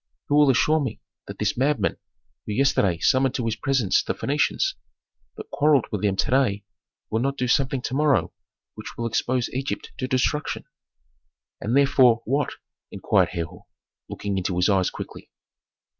Who will assure me that this madman, who yesterday summoned to his presence the Phœnicians, but quarrelled with them to day, will not do something to morrow which will expose Egypt to destruction?" "And therefore, what?" inquired Herhor, looking into his eyes quickly.